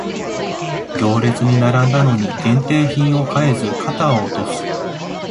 行列に並んだのに限定品を買えず肩を落とす